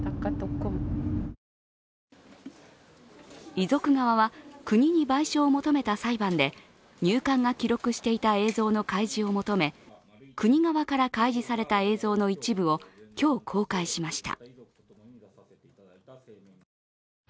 遺族側は国に賠償を求めた裁判で入管が記録していた映像の開示を求め国側から開示された映像の一部を今日公開しました。